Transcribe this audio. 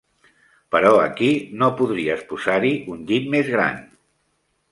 Però aquí no podries posar-hi un llit més gran.